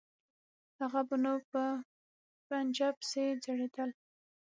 هغه به نو په پنجه پسې ځړېدل.